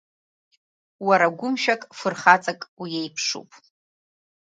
Уара гәымшәак, фырхаҵак уиеиԥшуп.